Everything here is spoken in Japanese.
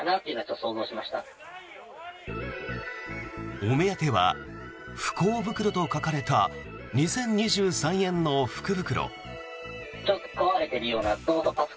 お目当ては不幸袋と書かれた２０２３円の福袋。